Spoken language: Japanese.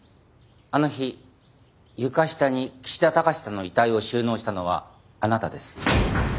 あの日床下に岸田貴志さんの遺体を収納したのはあなたです。